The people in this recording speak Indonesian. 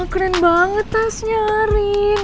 ah keren banget tasnya arin